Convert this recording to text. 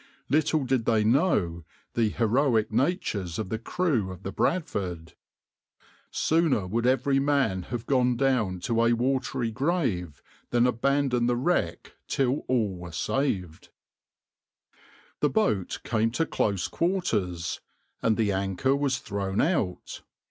Little did they know the heroic natures of the crew of the {\itshape{Bradford}}. Sooner would every man have gone down to a watery grave than abandon the wreck till all were saved!\par The boat came to close quarters, and the anchor was thrown out.